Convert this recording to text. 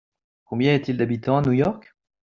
Combien y a-t-il d'habitants à New York ?